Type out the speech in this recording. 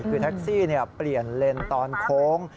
คือแท็กซี่เปลี่ยนเลนส์ตอนโค้ง